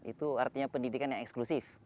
itu artinya pendidikan yang eksklusif